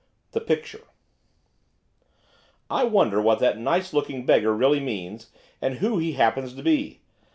THE PICTURE 'I wonder what that nice looking beggar really means, and who he happens to be?